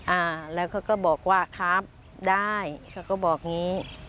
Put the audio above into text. อ่าแล้วเขาก็บอกว่าครับได้เขาก็บอกอย่างนี้